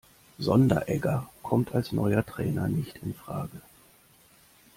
Sonderegger kommt als neuer Trainer nicht infrage.